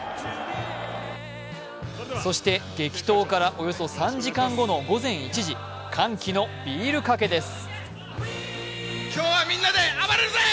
そして激闘からおよそ３時間後の午前１時、歓喜のビールかけです。